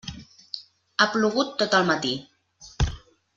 Ha plogut tot el matí.